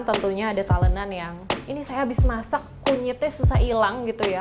tentunya ada talenan yang ini saya habis masak kunyitnya susah hilang gitu ya